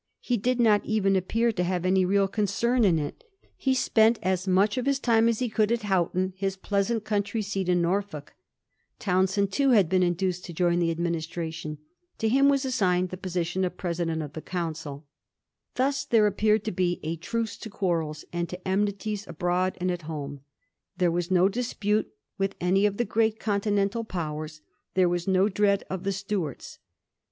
He did not even appear to have any real concern in it. He spent as much of his time as he Digiti zed by Google 1720. A CALM. 239 could at Houghton, his pleasant country seat in Norfolk. Townshend, too, had been induced to join the administration. To him was assigned the posi tion of president of the council. Thus there appeared to be a truce to quarrels, and to enmities abroad and at home. There was no dispute with any of the great Continental powers ; there was no dread of the Stuarts.